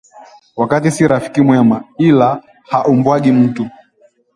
Wakati si rafiki mwema ila haumbwagi mtu